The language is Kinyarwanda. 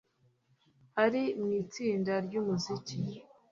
Ari mu itsinda ryumuziki